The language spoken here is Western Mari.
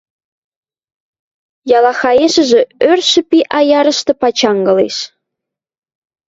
Ялахаешӹжӹ ӧршӹ пи аярышты пачангылеш.